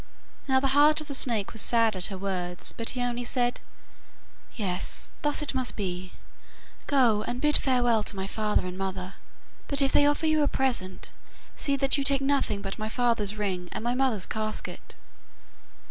Now the heart of the snake was sad at her words, but he only said: 'Yes, thus it must be; go and bid farewell to my father and mother, but if they offer you a present, see that you take nothing but my father's ring and my mother's casket.